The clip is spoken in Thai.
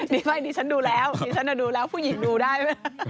นี่ฉันดูแล้วผู้หญิงดูได้ไหม